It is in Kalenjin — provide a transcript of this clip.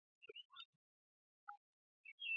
Noo ko kou chamait ng'wang.